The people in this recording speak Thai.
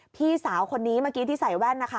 พี่สาวคนนี้เมื่อกี้ที่ใส่แว่นนะคะ